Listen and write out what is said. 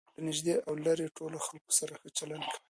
له نژدې او ليري ټولو خلکو سره ښه چلند کوئ!